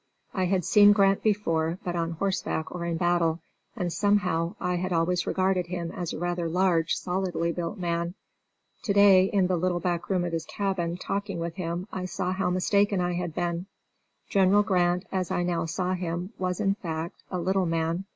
I had seen Grant before, but on horseback or in battle, and, somehow, I had always regarded him as a rather large, solidly built man. To day in the little back room of his cabin, talking with him, I saw how mistaken I had been. General Grant, as I now saw him, was, in fact, a little man.